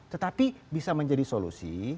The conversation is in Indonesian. tetapi bisa menjadi solusi